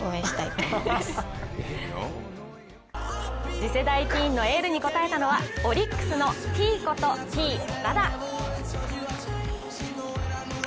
次世代ティーンのエールに応えたのはオリックスのＴことＴ−岡田。